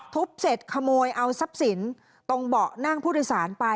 ทุบเสร็จขโมยเอาทรัพย์สินตรงเบาะนั่งผู้โดยสารไป